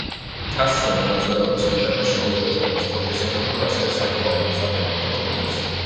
თასზე მონაწილეობის მიღება შეუძლიათ როგორც პროფესიონალურ, ასევე სამოყვარულო საფეხბურთო კლუბებს.